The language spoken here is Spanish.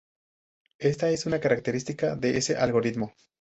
Esta es una característica de este algoritmo.